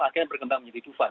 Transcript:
akhirnya berkembang menjadi dufan